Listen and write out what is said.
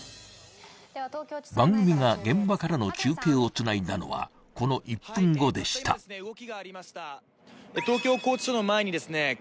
番組が現場からの中継をつないだのはこの１分後でした東京拘置所の前にですね